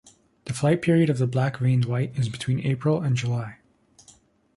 The flight period of the black-veined white is between April and July.